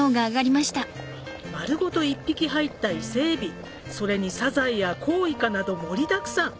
丸ごと１匹入った伊勢海老それにサザエやコウイカなど盛りだくさん